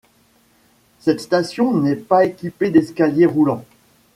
Cette station n'est pas équipée d'escaliers roulants.